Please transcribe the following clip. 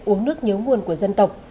uống nước nhớ nguồn của dân tộc